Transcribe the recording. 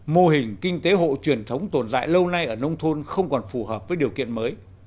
mô hình kinh tế hộ truyền thống tồn tại lâu nay ở nông thôn không còn phù hợp với điều kiện mới